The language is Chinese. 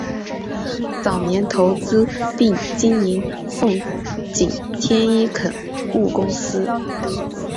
早年投资并经营奉锦天一垦务公司。